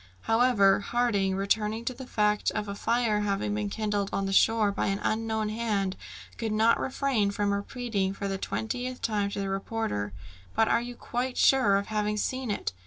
However, Harding, returning to the fact of a fire having been kindled on the shore by an unknown hand, could not refrain from repeating for the twentieth time to the reporter "But are you quite sure of having seen it?